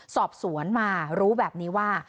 สอบสวนมารู้แบบนี้ว่า